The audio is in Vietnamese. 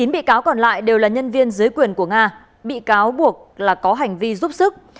chín bị cáo còn lại đều là nhân viên dưới quyền của nga bị cáo buộc là có hành vi giúp sức